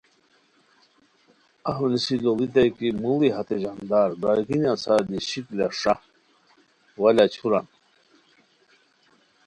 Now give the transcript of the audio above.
اف نیسی لوڑیتائے کی موڑی ہتے ژاندر برارگینیان سار دی شکلہ ݰا، واہ لاچھوران